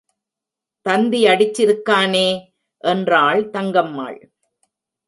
தந்தி அடிச்சிருக்கானே என்றாள் தங்கம்மாள்.